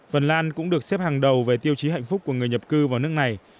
phần lan cũng được xếp hàng đầu về tiêu chí hạnh phúc của người nhập cư vào nước này